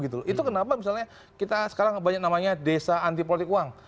itu kenapa misalnya kita sekarang banyak namanya desa antipolitik uang